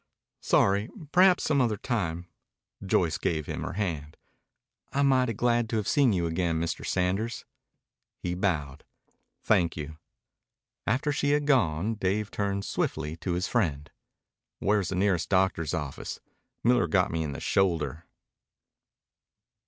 "Sorry. Perhaps some other time." Joyce gave him her hand. "I'm mighty glad to have seen you again, Mr. Sanders." He bowed. "Thank you." After she had gone, Dave turned swiftly to his friend. "Where's the nearest doctor's office? Miller got me in the shoulder."